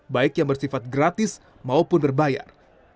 baik yang bersifat gratis maupun berbayar